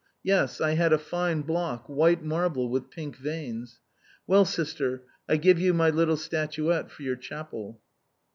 Yes, I had a fine block — white marble with pink veins. Well, sister, I give you my little statuette for your chapel."